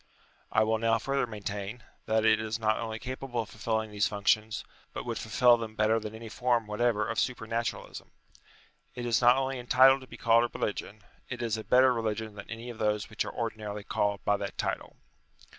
I will now further maintain, that it is not only capable of fulfilling these functions, but would fulfil them better than any form whatever of supernaturalism. It is not only entitled to be called a religion : it is a better religion than any of those which are ordinarily called by thafc title.